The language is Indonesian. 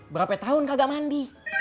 berapa tahun kagak mandi